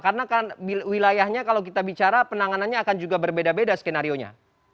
karena kan wilayahnya kalau kita bicara penanganannya akan juga berbeda beda skenario nya